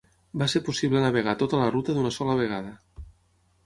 Va ser possible navegar tota la ruta d'una sola vegada.